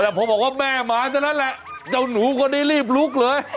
แต่พอบอกว่าแม่มาเท่านั้นแหละเจ้าหนูคนนี้รีบลุกเลย